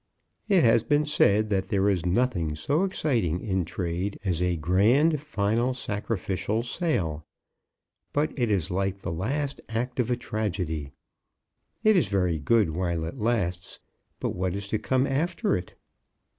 It has been said that there is nothing so exciting in trade as a grand final sacrificial sale. But it is like the last act of a tragedy. It is very good while it lasts, but what is to come after it?